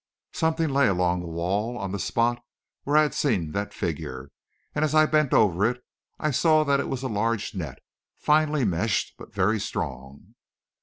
Something lay along the wall, on the spot where I had seen that figure, and as I bent over it, I saw that it was a large net, finely meshed but very strong.